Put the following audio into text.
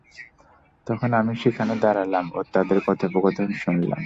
তখন আমি সেখানে দাঁড়ালাম ও তাদের কথোপকথন শুনলাম।